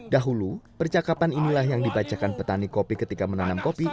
dahulu percakapan inilah yang dibacakan petani kopi ketika menanam kopi